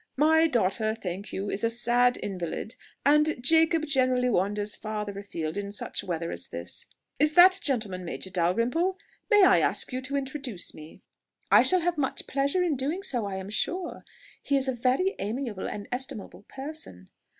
"My daughter, thank you, is a sad invalid; and Jacob generally wanders farther afield in such weather as this.... Is that gentleman Major Dalrymple? May I ask you to introduce me?" "I shall have much pleasure in doing so, I am sure. He is a very amiable and estimable person."